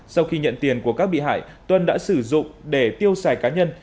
sau khi nhận tiền của các bị hại tuân đã sử dụng để tiêu xài cá nhân